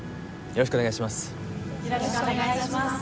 よろしくお願いします。